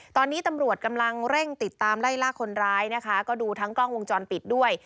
ตอนนี้ตำรวจกำลังเร่งติดตามไล่ล่าคนร้ายนะคะก็ดูทั้งกล้องวงจรปิดด้วย